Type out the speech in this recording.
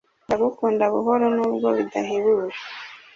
Ndagukunda buhoro nubwo bidahebuje